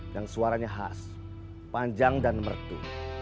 yang suaranya khas panjang dan mertu